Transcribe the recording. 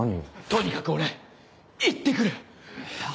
とにかく俺行って来る！